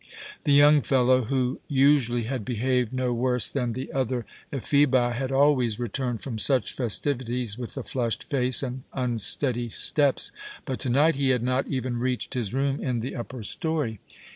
The young fellow, who usually had behaved no worse than the other Ephebi, had always returned from such festivities with a flushed face and unsteady steps, but to night he had not even reached his room in the upper story.